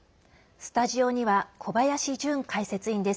スタジオには小林潤解説委員です。